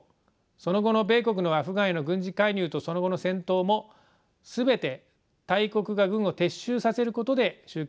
その後の米国のアフガンへの軍事介入とその後の戦闘も全て大国が軍を撤収させることで終結しています。